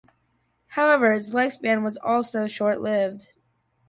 However, its lifespan was also short-lived.